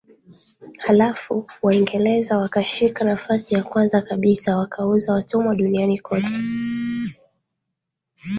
halafu Waingereza wakashika nafasi ya kwanza kabisa wakauza watumwa duniani kote